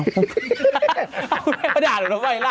เอาคุณแม่มาด่าหน่อยล่ะ